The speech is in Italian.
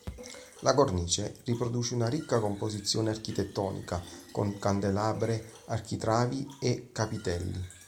La cornice riproduce una ricca composizione architettonica, con candelabre, architravi e capitelli.